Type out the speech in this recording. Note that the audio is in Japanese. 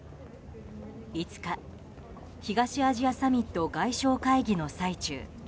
５日東アジアサミット外相会議の最中